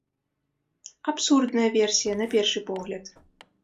Абсурдная версія, на першы погляд.